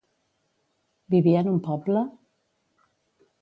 Vivia en un poble?